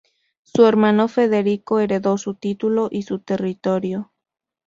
Su hermano Federico heredó su título y su territorio.